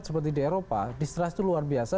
seperti di eropa di trust itu luar biasa